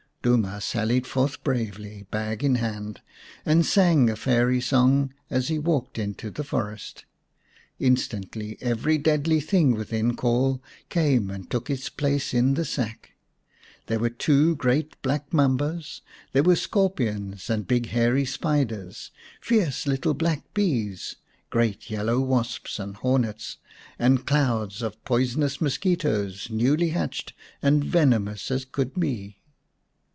Duma sallied forth bravely, bag in hand, and sang a fairy song as he walked into the forest. Instantly every deadly thing within call came 127 The Fairy Bird x and took its place in the sack. There were two great black mambas, there were scorpions and big hairy spiders, fierce little black bees, great yellow wasps and hornets, and clouds of poisonous mosquitoes, newly hatched and venomous as could be.